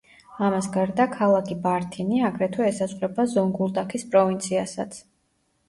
ამას გარდა, ქალაქი ბართინი, აგრეთვე, ესაზღვრება ზონგულდაქის პროვინციასაც.